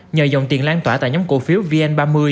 nhờ dòng tiền lan tỏa tại nhóm cổ phiếu vn ba mươi